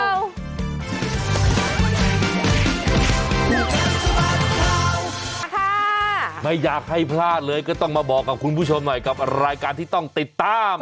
เอาค่ะไม่อยากให้พลาดเลยก็ต้องมาบอกกับคุณผู้ชมหน่อยกับรายการที่ต้องติดตาม